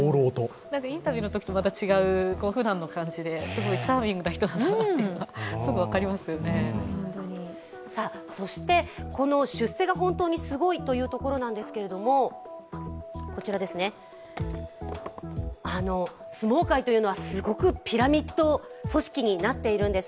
インタビューのときとまた違う、チャーミングな人だなというのはそしてこの出世が本当にすごいというところなんですけど相撲界というのはすごくピラミッド組織になっているんです。